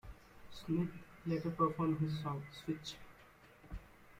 Smith later performed his song "Switch".